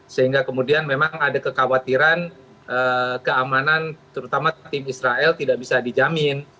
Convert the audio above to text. sehingga kemudian memang ada kekhawatiran keamanan terutama tim israel tidak bisa dijamin